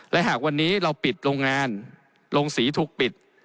และหากวันนี้เราปิดโรงงานโรงศรีถูกปิด